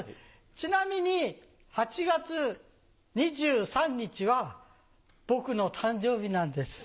ちなみに８月２３日は僕の誕生日なんです。